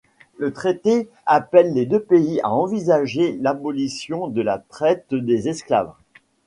Le traité appelle les deux pays à envisager l'abolition de la traite des esclaves.